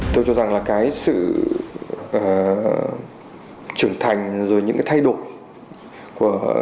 tôi cho rằng là cái sự trưởng thành rồi những cái thay đổi của